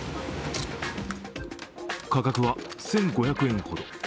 価格は１５００円ほど。